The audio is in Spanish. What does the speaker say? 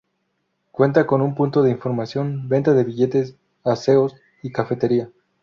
Cuenta con punto de información, venta de billetes, aseos y cafetería.